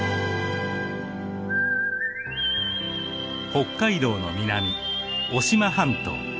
北海道の南渡島半島。